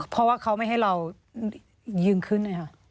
เพราะว่าเขาไม่ให้เรายืนขึ้นเลยค่ะ